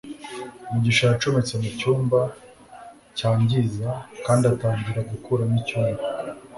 mugisha yacometse mu cyuma cyangiza kandi atangira gukuramo icyumba